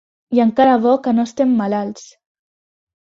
I encara bo que no estem malalts!